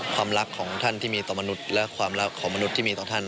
ความรักของท่านที่มีต่อมนุษย์และความรักของมนุษย์ที่มีต่อท่าน